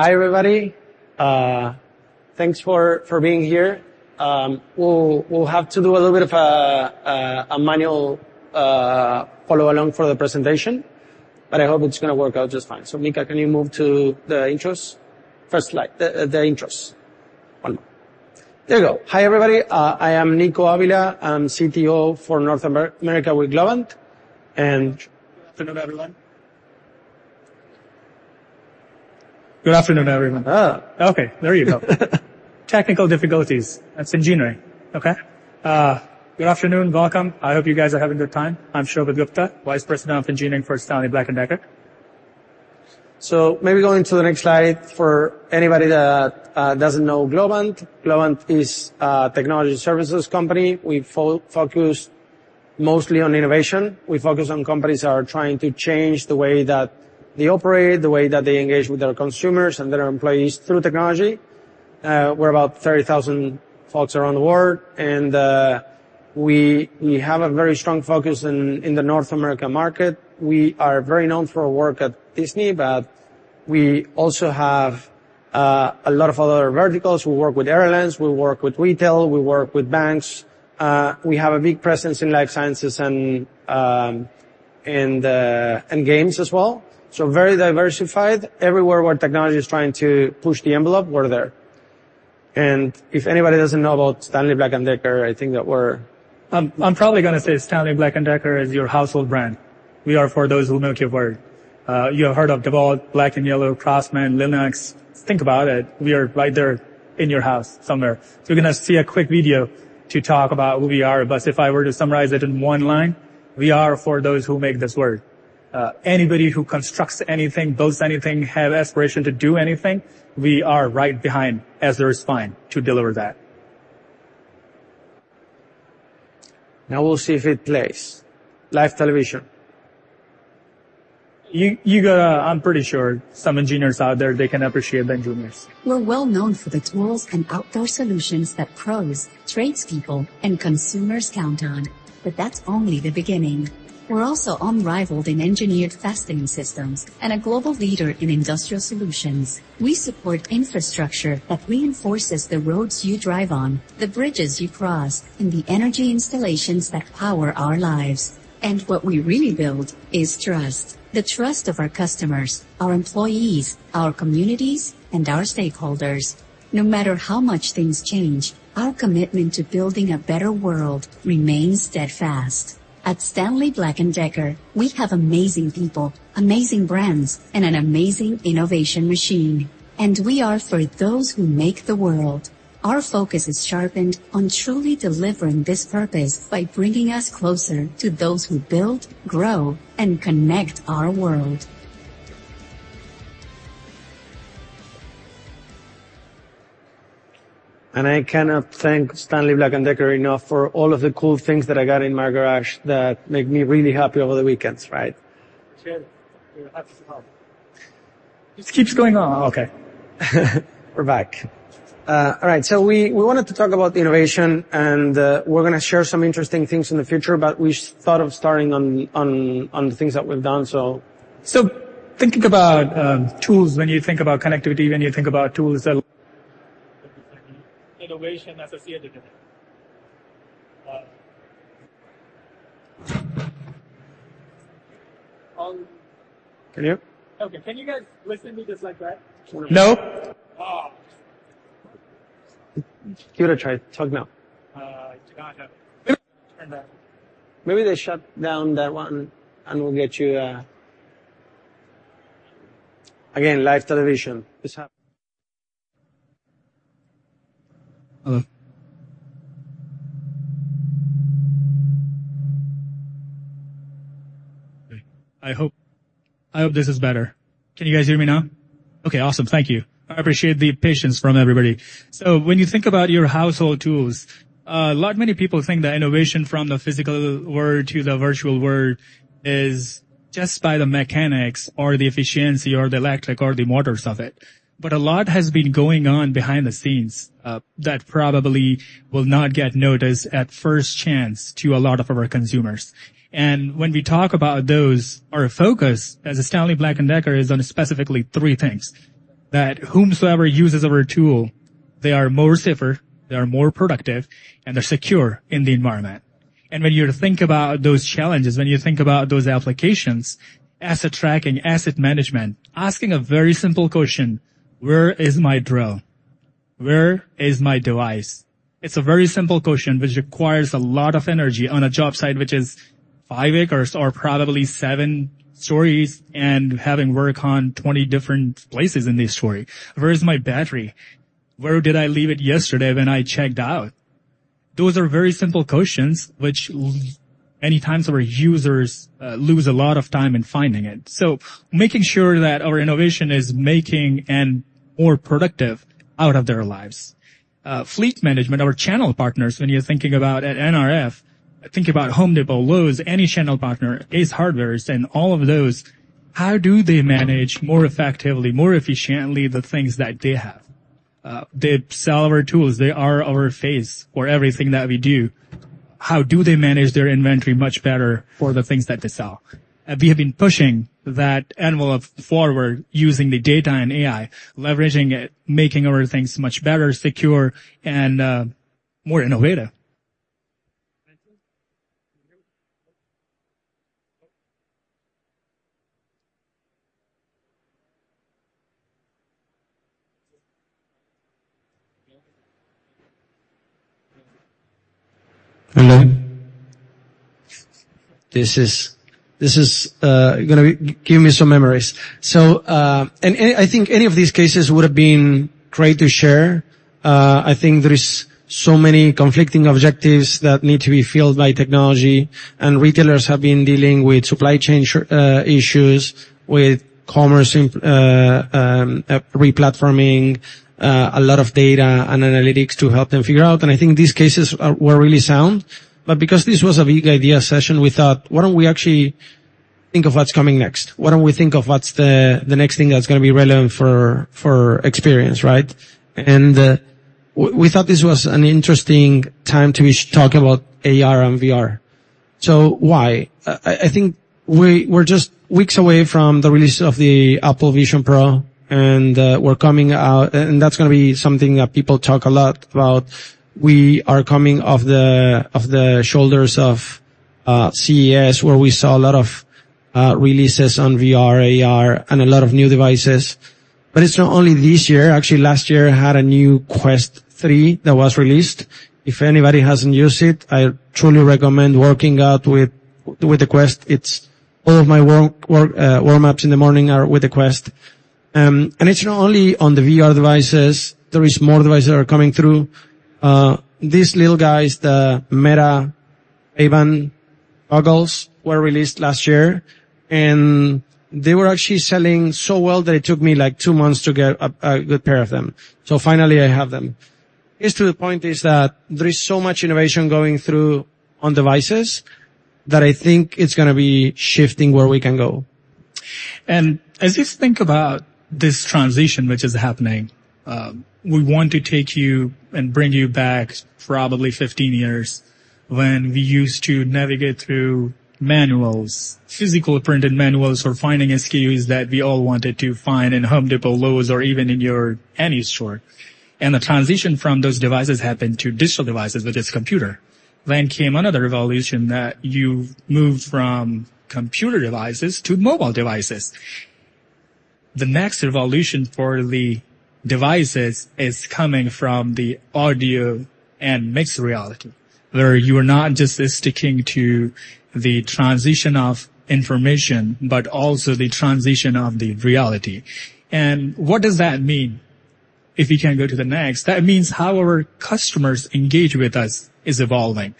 Hi, everybody. Thanks for being here. We'll have to do a little bit of a manual follow along for the presentation, but I hope it's gonna work out just fine. So, Mika, can you move to the intros? First slide, the intros. One more. There you go. Hi, everybody, I am Nico Ávila. I'm CTO for North America with Globant, and- Good afternoon, everyone. Good afternoon, everyone. Okay, there you go. Technical difficulties. That's engineering, okay? Good afternoon. Welcome. I hope you guys are having a good time. I'm Shobhit Gupta, Vice President of Engineering for Stanley Black & Decker. So maybe going to the next slide, for anybody that doesn't know Globant, Globant is a technology services company. We focus mostly on innovation. We focus on companies that are trying to change the way that they operate, the way that they engage with their consumers and their employees through technology. We're about 30,000 folks around the world, and we have a very strong focus in the North America market. We are very known for our work at Disney, but we also have a lot of other verticals. We work with airlines, we work with retail, we work with banks. We have a big presence in life sciences and games as well. So very diversified. Everywhere where technology is trying to push the envelope, we're there. If anybody doesn't know about Stanley Black & Decker, I think that we're- I'm probably gonna say Stanley Black & Decker is your household brand. We are for those who make it work. You have heard of DEWALT, black and yellow, CRAFTSMAN, LENOX. Think about it, we are right there in your house somewhere. So you're gonna see a quick video to talk about who we are, but if I were to summarize it in one line, we are for those who make this work. Anybody who constructs anything, builds anything, have aspiration to do anything, we are right behind as their spine to deliver that. Now we'll see if it plays. Live television. You gotta... I'm pretty sure some engineers out there, they can appreciate the juniors. We're well known for the tools and outdoor solutions that pros, tradespeople, and consumers count on, but that's only the beginning. We're also unrivaled in engineered fastening systems and a global leader in industrial solutions. We support infrastructure that reinforces the roads you drive on, the bridges you cross, and the energy installations that power our lives. And what we really build is trust. The trust of our customers, our employees, our communities, and our stakeholders. No matter how much things change, our commitment to building a better world remains steadfast. At Stanley Black & Decker, we have amazing people, amazing brands, and an amazing innovation machine, and we are for those who make the world. Our focus is sharpened on truly delivering this purpose by bringing us closer to those who build, grow, and connect our world. I cannot thank Stanley Black & Decker enough for all of the cool things that I got in my garage that make me really happy over the weekends, right? We're happy to help. This keeps going on. Okay. We're back. All right, so we wanted to talk about the innovation, and we're gonna share some interesting things in the future, but we thought of starting on the things that we've done, so- So thinking about tools, when you think about connectivity, when you think about tools innovation associated with it. Can you- Okay. Can you guys listen to me just like that? No. Ah! Give it a try. Talk now. Do not have it. Turn back. Maybe they shut down that one, and we'll get you... Again, live television. This happens. Hello. I hope, I hope this is better. Can you guys hear me now? Okay, awesome. Thank you. I appreciate the patience from everybody. So when you think about your household tools, like many people think that innovation from the physical world to the virtual world is just by the mechanics or the efficiency or the electric or the motors of it. But a lot has been going on behind the scenes, that probably will not get noticed at first chance to a lot of our consumers. And when we talk about those, our focus as a Stanley Black & Decker is on specifically three things: That whomsoever uses our tool, they are more safer, they are more productive, and they're secure in the environment. And when you think about those challenges, when you think about those applications, asset tracking, asset management, asking a very simple question: Where is my drill? Where is my device? It's a very simple question, which requires a lot of energy on a job site, which is 5 acres or probably seven stories, and having work on 20 different places in this story. Where is my battery? Where did I leave it yesterday when I checked out? Those are very simple questions, which many times our users lose a lot of time in finding it. So making sure that our innovation is making and more productive out of their lives. Fleet management, our channel partners, when you're thinking about at NRF, think about Home Depot, Lowe's, any channel partner, Ace Hardware and all of those, how do they manage more effectively, more efficiently, the things that they have?... They sell our tools, they are our face for everything that we do. How do they manage their inventory much better for the things that they sell? We have been pushing that envelope forward using the data and AI, leveraging it, making our things much better, secure, and more innovative. Hello. This is gonna be - give me some memories. So, I think any of these cases would have been great to share. I think there is so many conflicting objectives that need to be filled by technology, and retailers have been dealing with supply chain sh- issues, with commerce, replatforming, a lot of data and analytics to help them figure out. And I think these cases are, were really sound. But because this was a big idea session, we thought, why don't we actually think of what's coming next? Why don't we think of what's the next thing that's gonna be relevant for experience, right? And we thought this was an interesting time to be talk about AR and VR. So why? I think we're just weeks away from the release of the Apple Vision Pro, and we're coming out. And that's gonna be something that people talk a lot about. We are coming off the shoulders of CES, where we saw a lot of releases on VR, AR, and a lot of new devices. But it's not only this year. Actually, last year had a new Quest 3 that was released. If anybody hasn't used it, I truly recommend working out with the Quest. It's all of my workout warm-ups in the morning are with the Quest. And it's not only on the VR devices, there are more devices that are coming through. These little guys, the Meta Ray-Ban goggles, were released last year, and they were actually selling so well that it took me, like, two months to get a good pair of them. So finally, I have them. Is to the point is that there is so much innovation going through on devices, that I think it's gonna be shifting where we can go. As you think about this transition, which is happening, we want to take you and bring you back probably 15 years, when we used to navigate through manuals, physical printed manuals, or finding SKUs that we all wanted to find in Home Depot, Lowe's, or even in your any store. The transition from those devices happened to digital devices, which is computer. Then came another revolution that you moved from computer devices to mobile devices. The next revolution for the devices is coming from the audio and mixed reality, where you are not just sticking to the transition of information, but also the transition of the reality. And what does that mean? If you can go to the next. That means how our customers engage with us is evolving.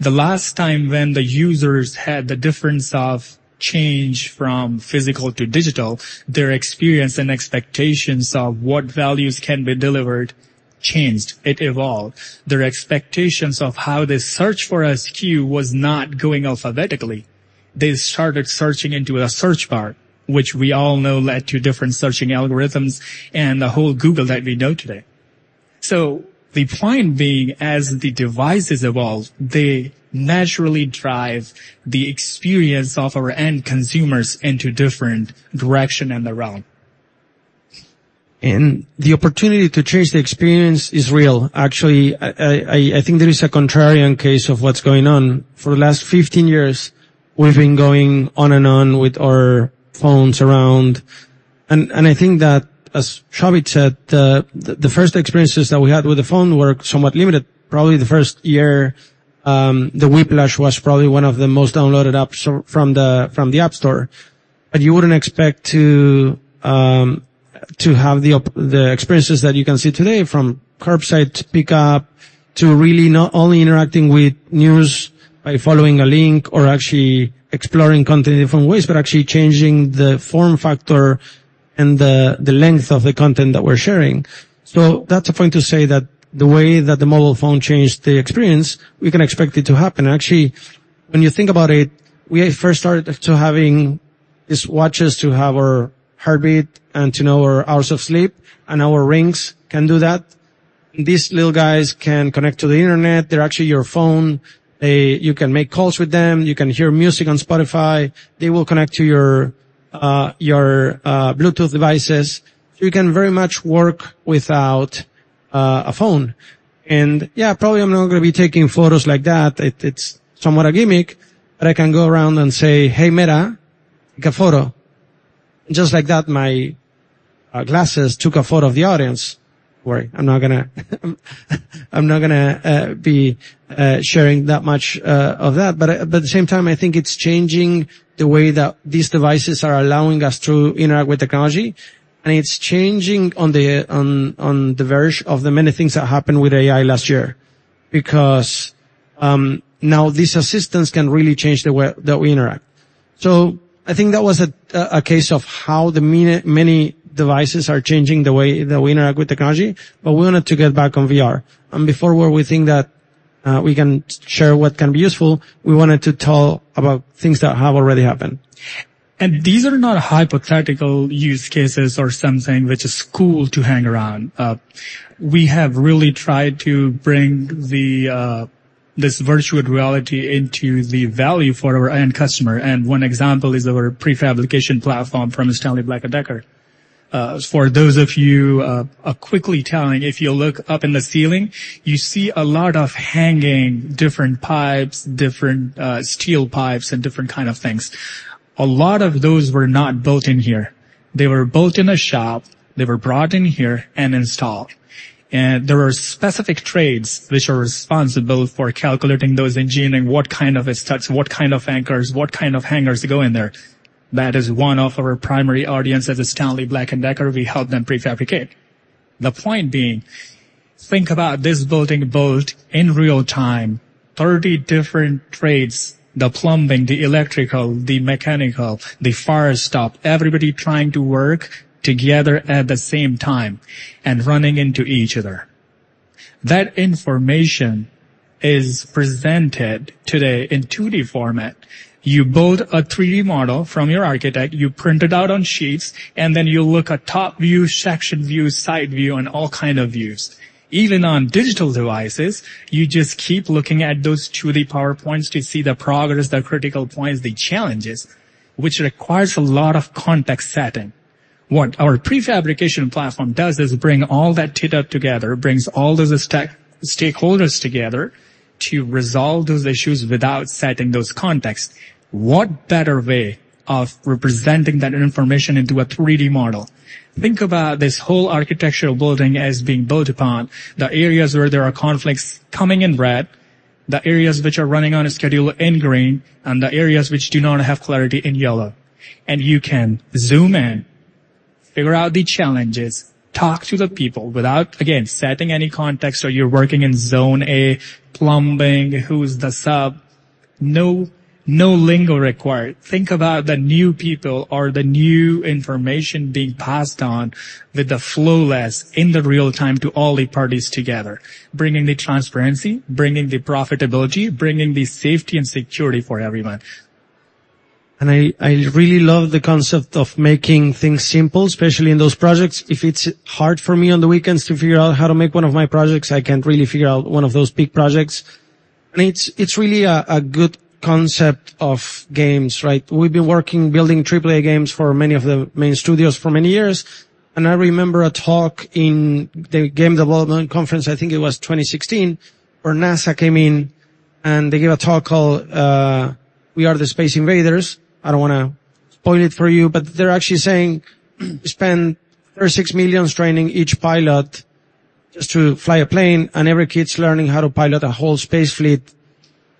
The last time when the users had the difference of change from physical to digital, their experience and expectations of what values can be delivered changed. It evolved. Their expectations of how they search for a SKU was not going alphabetically. They started searching into a search bar, which we all know led to different searching algorithms and the whole Google that we know today. So the point being, as the devices evolve, they naturally drive the experience of our end consumers into different direction and the realm. And the opportunity to change the experience is real. Actually, I think there is a contrarian case of what's going on. For the last 15 years, we've been going on and on with our phones around, and I think that, as Shobhit said, the first experiences that we had with the phone were somewhat limited. Probably the first year, the Whiplash was probably one of the most downloaded apps from the App Store. But you wouldn't expect to have the experiences that you can see today, from curbside to pickup, to really not only interacting with news by following a link or actually exploring content in different ways, but actually changing the form factor and the length of the content that we're sharing. So that's a point to say that the way that the mobile phone changed the experience, we can expect it to happen. Actually, when you think about it, we first started to having these watches to have our heartbeat and to know our hours of sleep, and our rings can do that. These little guys can connect to the internet. They're actually your phone. You can make calls with them, you can hear music on Spotify, they will connect to your Bluetooth devices. You can very much work without a phone. And, yeah, probably I'm not gonna be taking photos like that. It, it's somewhat a gimmick, but I can go around and say, "Hey, Meta, take a photo." Just like that, my glasses took a photo of the audience. Worry, I'm not gonna be sharing that much of that. But at the same time, I think it's changing the way that these devices are allowing us to interact with technology, and it's changing on the verge of the many things that happened with AI last year. Because now these assistants can really change the way that we interact. So I think that was a case of how the many devices are changing the way that we interact with technology, but we wanted to get back on VR. And before where we think that we can share what can be useful. We wanted to tell about things that have already happened. These are not hypothetical use cases or something which is cool to hang around. We have really tried to bring this virtual reality into the value for our end customer, and one example is our pre-fabrication platform from Stanley Black & Decker. For those of you, quickly telling, if you look up in the ceiling, you see a lot of hanging different pipes, different steel pipes, and different kind of things. A lot of those were not built in here. They were built in a shop, they were brought in here and installed. There were specific trades which are responsible for calculating those engineering, what kind of studs, what kind of anchors, what kind of hangers go in there. That is one of our primary audience as a Stanley Black & Decker, we help them pre-fabricate. The point being, think about this building built in real time, 30 different trades, the plumbing, the electrical, the mechanical, the fire stop, everybody trying to work together at the same time and running into each other. That information is presented today in 2D format. You build a 3D model from your architect, you print it out on sheets, and then you look at top view, section view, side view, and all kind of views. Even on digital devices, you just keep looking at those 2D PowerPoints to see the progress, the critical points, the challenges, which requires a lot of context setting. What our pre-fabrication platform does, is bring all that data together, brings all those tech stakeholders together to resolve those issues without setting those contexts. What better way of representing that information into a 3D model? Think about this whole architectural building as being built upon the areas where there are conflicts coming in red, the areas which are running on a schedule in green, and the areas which do not have clarity in yellow. You can zoom in, figure out the challenges, talk to the people without, again, setting any context. You're working in zone A, plumbing, who's the sub? No, no lingo required. Think about the new people or the new information being passed on flawlessly in real time to all the parties together, bringing the transparency, bringing the profitability, bringing the safety and security for everyone. I really love the concept of making things simple, especially in those projects. If it's hard for me on the weekends to figure out how to make one of my projects, I can't really figure out one of those big projects. It's really a good concept of games, right? We've been working, building AAA games for many of the main studios for many years, and I remember a talk in the Game Developers Conference, I think it was 2016, where NASA came in, and they gave a talk called "We Are the Space Invaders. I don't wanna spoil it for you, but they're actually saying, "We spend over $6 million training each pilot just to fly a plane, and every kid's learning how to pilot a whole space fleet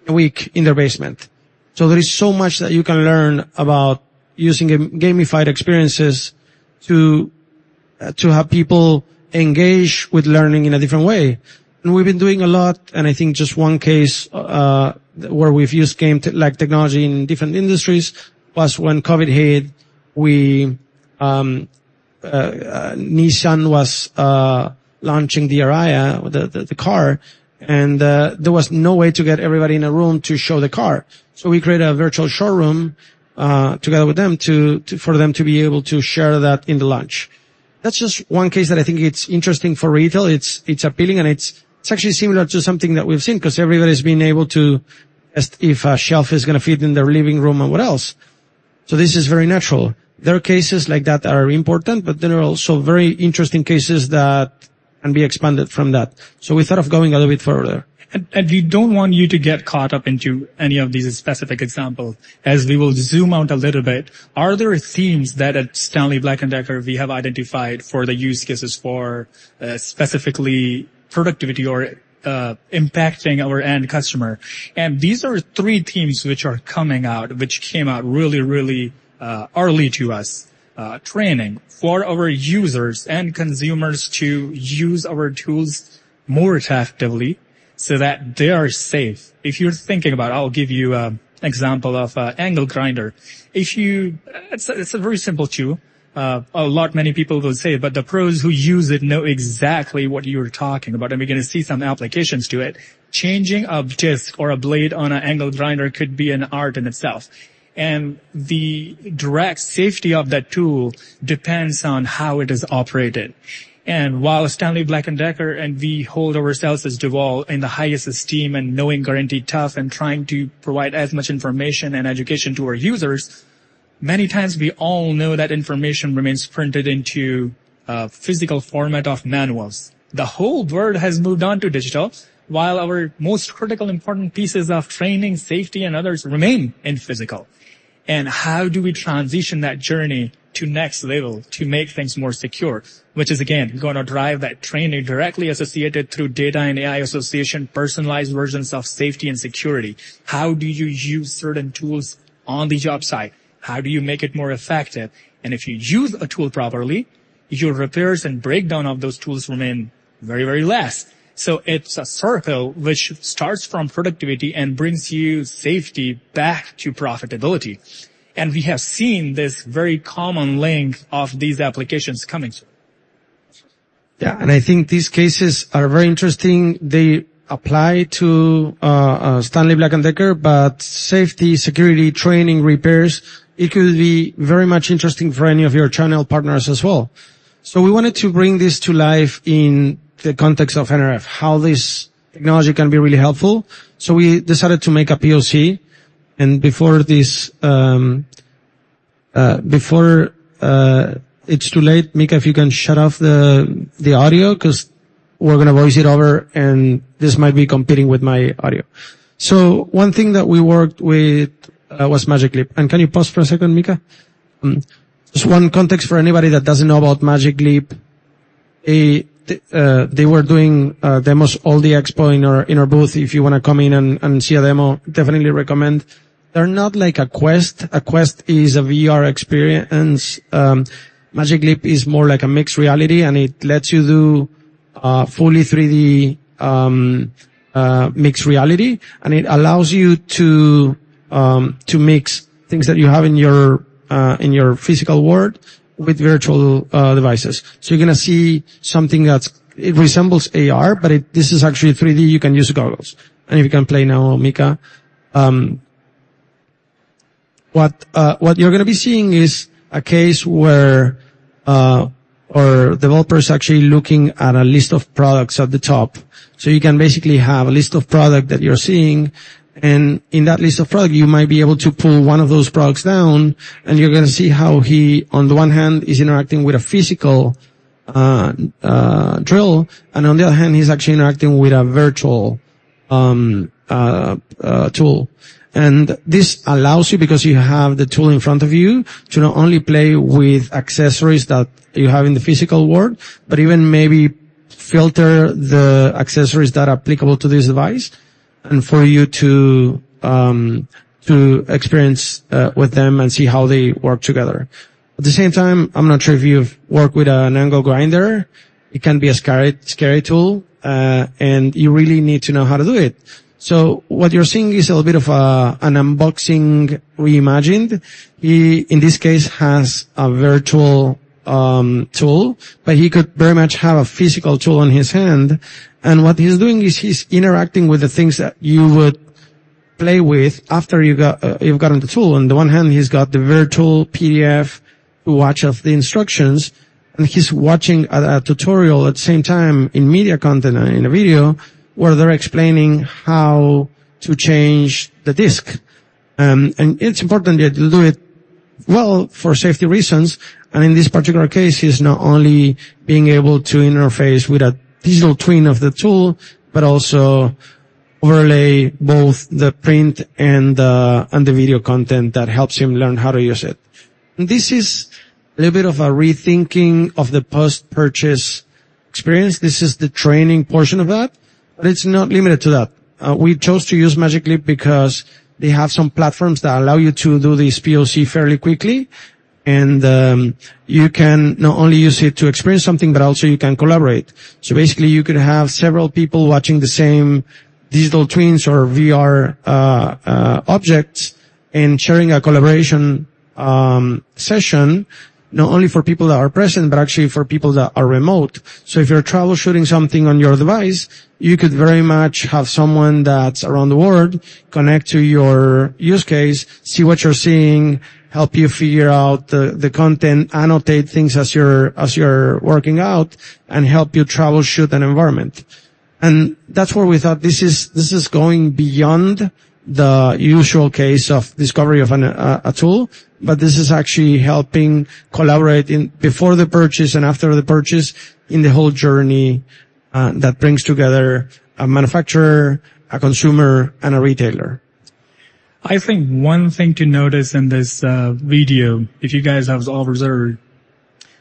a week in their basement." So there is so much that you can learn about using gamified experiences to have people engage with learning in a different way. We've been doing a lot, and I think just one case where we've used game-like technology in different industries was when COVID hit. Nissan was launching the Ariya, the car, and there was no way to get everybody in a room to show the car. We created a virtual showroom together with them to for them to be able to share that in the launch. That's just one case that I think it's interesting for retail. It's appealing, and it's actually similar to something that we've seen, 'cause everybody's been able to as if a shelf is gonna fit in their living room and what else. So this is very natural. There are cases like that are important, but there are also very interesting cases that can be expanded from that. So we thought of going a little bit further. We don't want you to get caught up into any of these specific examples. As we will zoom out a little bit, are there themes that at Stanley Black & Decker, we have identified for the use cases for, specifically productivity or, impacting our end customer? And these are three themes which are coming out, which came out really, really, early to us. Training for our users and consumers to use our tools more effectively so that they are safe. If you're thinking about it, I'll give you a example of angle grinder. It's a, it's a very simple tool. A lot many people will say, but the pros who use it know exactly what you're talking about, and we're gonna see some applications to it. Changing a disc or a blade on an angle grinder could be an art in itself, and the direct safety of that tool depends on how it is operated. And while Stanley Black & Decker, and we hold ourselves as DEWALT in the highest esteem, and knowing guaranteed tough, and trying to provide as much information and education to our users, many times we all know that information remains printed into a physical format of manuals. The whole world has moved on to digital, while our most critical, important pieces of training, safety, and others remain in physical. And how do we transition that journey to next level to make things more secure? Which is again, gonna drive that training directly associated through data and AI association, personalized versions of safety and security. How do you use certain tools on the job site? How do you make it more effective? If you use a tool properly, your repairs and breakdown of those tools remain very, very less. It's a circle which starts from productivity and brings you safety back to profitability. We have seen this very common link of these applications coming.... Yeah, and I think these cases are very interesting. They apply to Stanley Black & Decker, but safety, security, training, repairs, it could be very much interesting for any of your channel partners as well. So we wanted to bring this to life in the context of NRF, how this technology can be really helpful. So we decided to make a POC, and before this, before it's too late, Mika, if you can shut off the audio, 'cause we're gonna voice it over, and this might be competing with my audio. So one thing that we worked with was Magic Leap. And can you pause for a second, Mika? Mm. Just one context for anybody that doesn't know about Magic Leap, they were doing demos all the expo in our booth. If you wanna come in and see a demo, definitely recommend. They're not like a Quest. A Quest is a VR experience. Magic Leap is more like a mixed reality, and it lets you do fully 3D mixed reality, and it allows you to mix things that you have in your physical world with virtual devices. So you're gonna see something that's... It resembles AR, but it, this is actually 3D. You can use goggles. And if you can play now, Mika. What you're gonna be seeing is a case where our developer is actually looking at a list of products at the top. So you can basically have a list of product that you're seeing, and in that list of product, you might be able to pull one of those products down, and you're gonna see how he, on the one hand, is interacting with a physical, drill, and on the other hand, he's actually interacting with a virtual, tool. And this allows you, because you have the tool in front of you, to not only play with accessories that you have in the physical world, but even maybe filter the accessories that are applicable to this device, and for you to, to experience, with them and see how they work together. At the same time, I'm not sure if you've worked with an angle grinder. It can be a scary, scary tool, and you really need to know how to do it. So what you're seeing is a little bit of an unboxing reimagined. He, in this case, has a virtual tool, but he could very much have a physical tool in his hand, and what he's doing is he's interacting with the things that you would play with after you've gotten the tool. On the one hand, he's got the virtual PDF to watch of the instructions, and he's watching a tutorial at the same time, in media content and in a video, where they're explaining how to change the disk. And it's important that you do it well for safety reasons, and in this particular case, he's not only being able to interface with a digital twin of the tool, but also overlay both the print and the video content that helps him learn how to use it. This is a little bit of a rethinking of the post-purchase experience. This is the training portion of that, but it's not limited to that. We chose to use Magic Leap because they have some platforms that allow you to do this POC fairly quickly, and you can not only use it to experience something, but also you can collaborate. So basically, you could have several people watching the same digital twins or VR objects and sharing a collaboration session, not only for people that are present, but actually for people that are remote. So if you're troubleshooting something on your device, you could very much have someone that's around the world connect to your use case, see what you're seeing, help you figure out the content, annotate things as you're working out, and help you troubleshoot an environment. That's where we thought this is going beyond the usual case of discovery of a tool, but this is actually helping collaborate in... before the purchase and after the purchase, in the whole journey that brings together a manufacturer, a consumer, and a retailer. I think one thing to notice in this video, if you guys have all observed,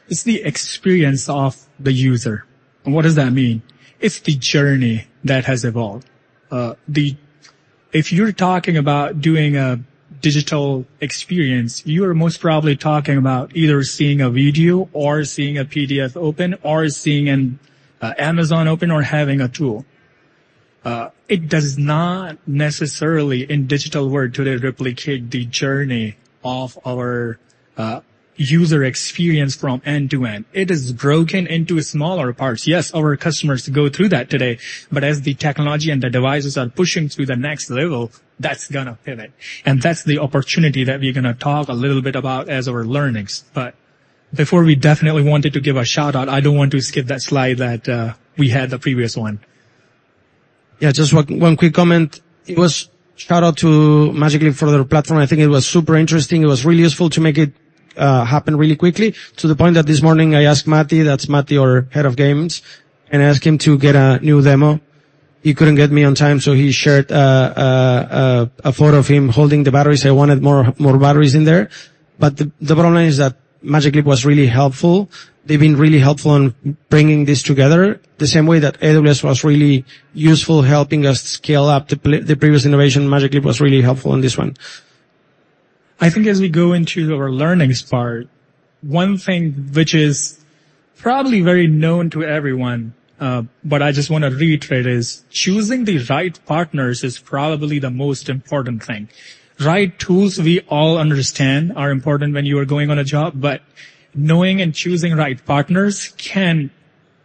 is the experience of the user. What does that mean? It's the journey that has evolved. If you're talking about doing a digital experience, you are most probably talking about either seeing a video or seeing a PDF open or seeing an Amazon open or having a tool. It does not necessarily, in digital world today, replicate the journey of our user experience from end to end. It is broken into smaller parts. Yes, our customers go through that today, but as the technology and the devices are pushing to the next level, that's gonna pivot, and that's the opportunity that we're gonna talk a little bit about as our learnings. But before we definitely wanted to give a shout-out, I don't want to skip that slide that we had the previous one. Yeah, just one, one quick comment. It was shout-out to Magic Leap for their platform. I think it was super interesting. It was really useful to make it happen really quickly, to the point that this morning I asked Mati, that's Mati, our head of games, and I asked him to get a new demo. He couldn't get me on time, so he shared a photo of him holding the batteries. I wanted more, more batteries in there. But the bottom line is that Magic Leap was really helpful. They've been really helpful in bringing this together. The same way that AWS was really useful helping us scale up the previous innovation, Magic Leap was really helpful in this one. I think as we go into our learnings part, one thing which is probably very known to everyone, but I just wanna reiterate, is choosing the right partners is probably the most important thing. Right tools, we all understand, are important when you are going on a job, but knowing and choosing right partners can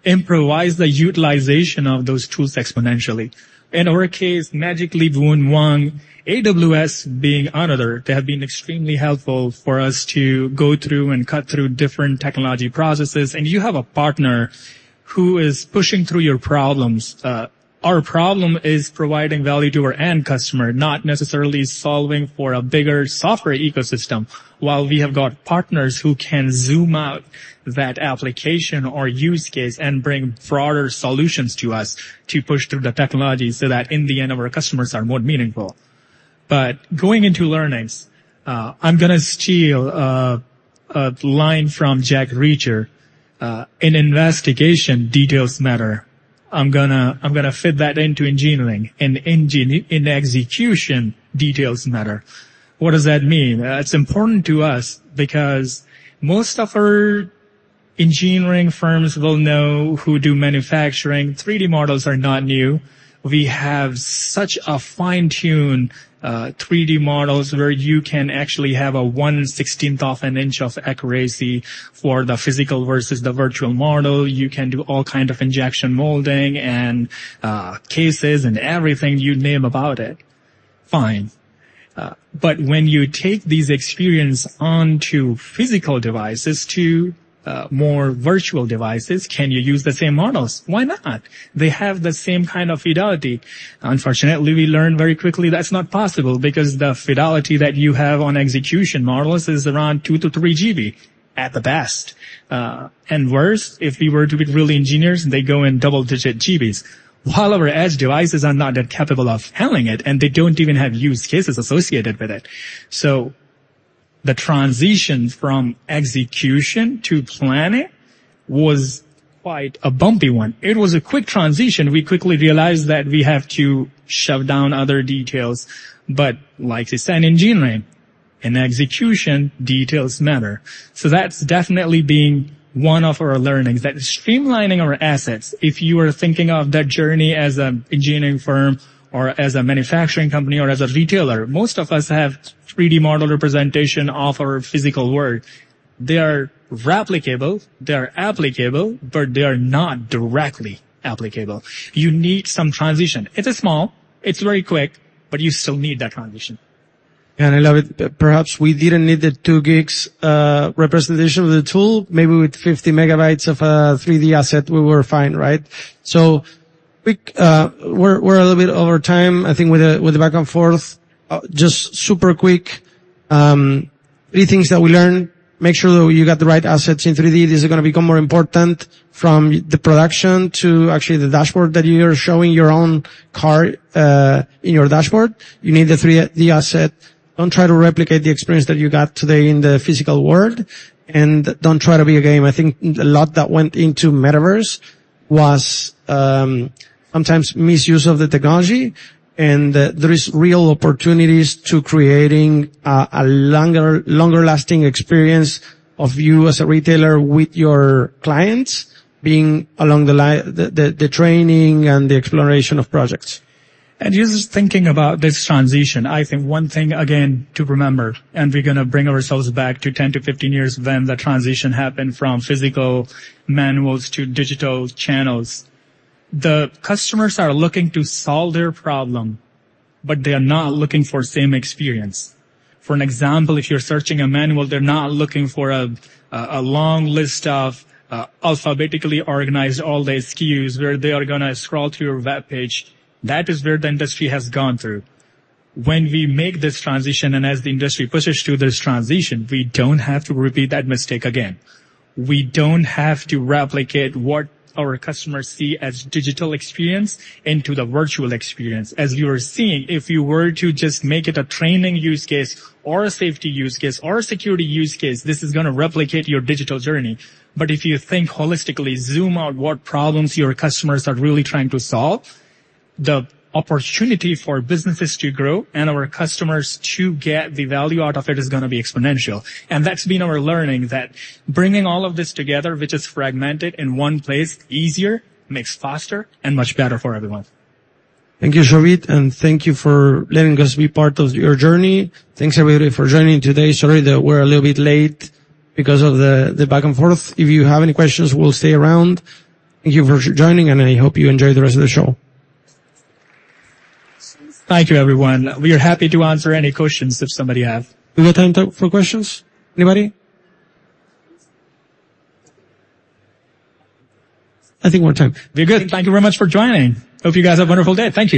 improvise the utilization of those tools exponentially. In our case, Magic Leap One, AWS being another. They have been extremely helpful for us to go through and cut through different technology processes, and you have a partner who is pushing through your problems. Our problem is providing value to our end customer, not necessarily solving for a bigger software ecosystem. While we have got partners who can zoom out that application or use case and bring broader solutions to us to push through the technology, so that in the end, our customers are more meaningful. But going into learnings, I'm gonna steal a line from Jack Reacher, "in investigation, details matter." I'm gonna fit that into engineering. In execution, details matter. What does that mean? It's important to us because most of our engineering firms will know who do manufacturing. 3D models are not new. We have such a fine-tuned 3D models, where you can actually have a one-sixteenth of an inch of accuracy for the physical versus the virtual model. You can do all kind of injection molding and cases and everything you name about it. Fine. But when you take this experience onto physical devices to more virtual devices, can you use the same models? Why not? They have the same kind of fidelity. Unfortunately, we learned very quickly that's not possible because the fidelity that you have on execution models is around 2-3 GB at the best. And worse, if we were to be real engineers, they go in double-digit GBs, while our edge devices are not that capable of handling it, and they don't even have use cases associated with it. So the transition from execution to planning was quite a bumpy one. It was a quick transition. We quickly realized that we have to shove down other details, but like they say in engineering, "In execution, details matter." So that's definitely been one of our learnings, that streamlining our assets. If you are thinking of that journey as an engineering firm or as a manufacturing company or as a retailer, most of us have 3D model representation of our physical world. They are replicable, they are applicable, but they are not directly applicable. You need some transition. It is small, it's very quick, but you still need that transition. I love it. Perhaps we didn't need the 2 GB representation of the tool. Maybe with 50 MB of 3D asset, we were fine, right? So quick... We're a little bit over time, I think, with the back and forth. Just super quick, three things that we learned: make sure that you got the right assets in 3D. This is gonna become more important from the production to actually the dashboard that you're showing your own car in your dashboard. You need the 3D asset. Don't try to replicate the experience that you got today in the physical world, and don't try to be a game. I think a lot that went into metaverse was sometimes misuse of the technology, and there is real opportunities to creating a longer-lasting experience of you as a retailer with your clients, being along the line, the training and the exploration of projects. Just thinking about this transition, I think one thing again to remember, and we're gonna bring ourselves back to 10-15 years when the transition happened from physical manuals to digital channels. The customers are looking to solve their problem, but they are not looking for same experience. For an example, if you're searching a manual, they're not looking for a long list of alphabetically organized, all the SKUs, where they are gonna scroll through your webpage. That is where the industry has gone through. When we make this transition, and as the industry pushes through this transition, we don't have to repeat that mistake again. We don't have to replicate what our customers see as digital experience into the virtual experience. As you are seeing, if you were to just make it a training use case or a safety use case, or a security use case, this is gonna replicate your digital journey. But if you think holistically, zoom out what problems your customers are really trying to solve, the opportunity for businesses to grow and our customers to get the value out of it is gonna be exponential. And that's been our learning, that bringing all of this together, which is fragmented in one place, easier, makes faster and much better for everyone. Thank you, Shobhit, and thank you for letting us be part of your journey. Thanks, everybody, for joining today. Sorry that we're a little bit late because of the back and forth. If you have any questions, we'll stay around. Thank you for joining, and I hope you enjoy the rest of the show. Thank you, everyone. We are happy to answer any questions if somebody have. We got time for questions? Anybody? I think we have time. Very good. Thank you very much for joining. Hope you guys have a wonderful day. Thank you.